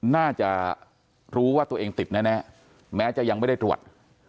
น่าจะรู้ว่าตัวเองติดแน่แม้จะยังไม่ได้ตรวจ